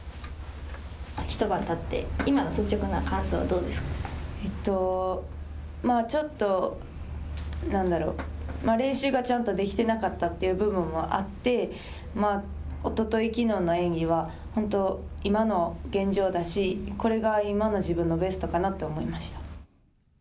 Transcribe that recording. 一晩たってちょっと何だろう練習がちゃんとできてなかったという部分もあっておととい、きのうの演技は、本当、今の現状だしこれが今の自分のベストかなと思いました。